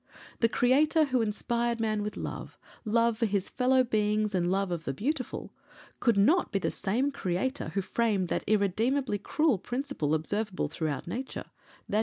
The Creator who inspired man with love love for his fellow beings and love of the beautiful could not be the same Creator who framed that irredeemably cruel principle observable throughout nature, _i.